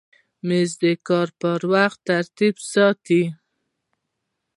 مېز د کار پر وخت ترتیب ساتي.